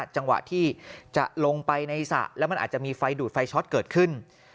จังหวะที่จะลงไปในสระแล้วมันอาจจะมีไฟดูดไฟช็อตเกิดขึ้น